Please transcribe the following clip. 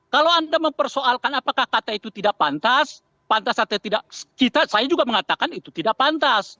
kalau anda mempersoalkan apakah kata itu tidak pantas pantas atau tidak saya juga mengatakan itu tidak pantas